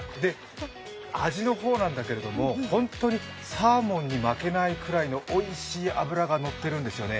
味の方なんだけれども、本当にサーモンに負けないくらいのおいしい脂が乗ってるんですよね。